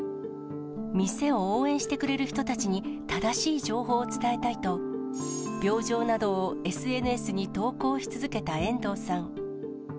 店を応援してくれる人たちに正しい情報を伝えたいと、病状などをＳＮＳに投稿し続けた遠藤さん。